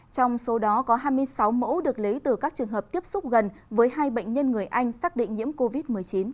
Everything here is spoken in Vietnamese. trong số đó có hai mươi sáu mẫu được lấy từ các trường hợp tiếp xúc gần với hai bệnh nhân người anh xác định nhiễm covid một mươi chín